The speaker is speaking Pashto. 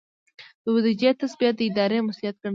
د بودیجې تثبیت د ادارې مسؤلیت ګڼل کیږي.